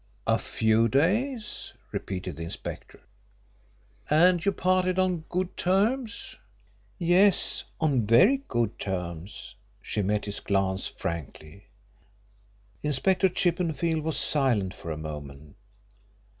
"A few days," repeated the inspector. "And you parted on good terms?" "Yes, on very good terms." She met his glance frankly. Inspector Chippenfield was silent for a moment.